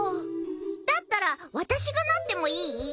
だったら私がなってもいい？